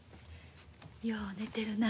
よう寝てるな。